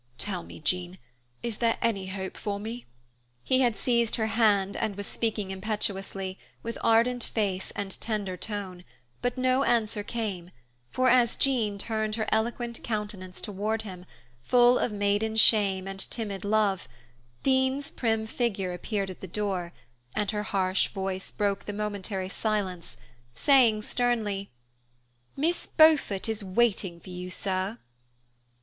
Tell me, Jean, is there any hope for me?" He had seized her hand and was speaking impetuously, with ardent face and tender tone, but no answer came, for as Jean turned her eloquent countenance toward him, full of maiden shame and timid love, Dean's prim figure appeared at the door, and her harsh voice broke the momentary silence, saying, sternly, "Miss Beaufort is waiting for you, sir."